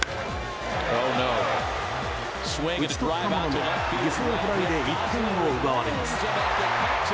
打ち取ったものの犠牲フライで１点を奪われます。